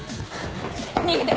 逃げて。